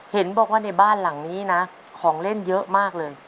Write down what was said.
เห็นบอกว่าในบ้านหลังนี้นะของเล่นเยอะมากเลย